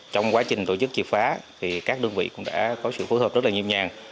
trong quá trình tổ chức triệt phá thì các đơn vị cũng đã có sự phối hợp rất là nhiêm nhàng